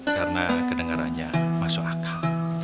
karena kedengarannya masuk akal